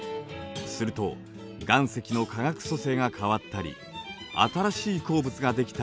すると岩石の化学組成が変わったり新しい鉱物ができたりします。